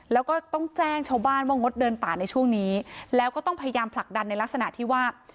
แล้วก็ต้องแจ้งชาวบ้านว่างดเดินป่าในช่วงนี้แล้วก็ต้องพยายามผลักดันในลักษณะที่ว่า